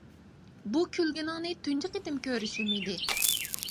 بۇ كۈلگىنىڭنى تۇنجى قېتىم كۆرۈشۈم ئىدى.